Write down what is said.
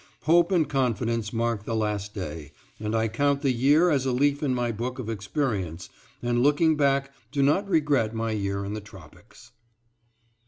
Hope and confidence mark the last day, and I count the year as a leaf in my book of experience and looking back, do not regret my year in the tropics.